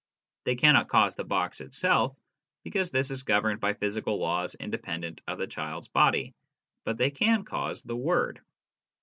They cannot cause the box itself, because this is governed by physical laws independent of the child's body ; but they can cause the word.